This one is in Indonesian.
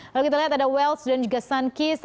lalu kita lihat ada wells dan juga sunkis